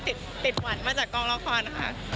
คืนนี้จะไปฉีดยาค่ะมีงานก็ค่อนข้าง๗วันค่ะ